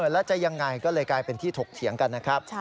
แล้วจะยังไงก็เลยกลายเป็นที่ถกเถียงกันนะครับ